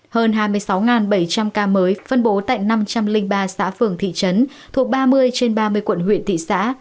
hơn hai mươi sáu bảy trăm linh ca mới phân bố tại năm trăm linh ba xã phường thị trấn thuộc ba mươi trên ba mươi quận huyện thị xã